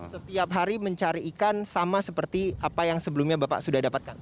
setiap hari mencari ikan sama seperti apa yang sebelumnya bapak sudah dapatkan